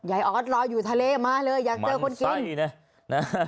ไอ้ออสรออยู่ทะเลมาเลยอยากเจอคนกินมันไส้เนี่ยนะฮะ